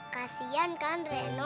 kasian kan reno